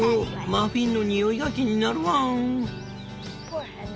マフィンの匂いが気になるワン」。